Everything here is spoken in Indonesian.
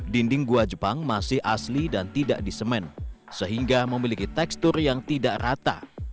dinding gua jepang masih asli dan tidak disemen sehingga memiliki tekstur yang tidak rata